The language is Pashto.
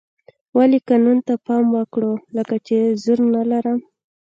ولې قانون ته پام وکړو لکه چې زور نه لرم.